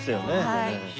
はい。